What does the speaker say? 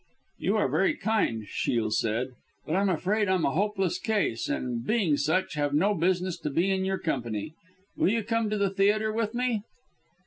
"You are very kind," Shiel said, "but I'm afraid I'm a hopeless case, and, being such, have no business to be in your company. Will you come to the theatre with me?"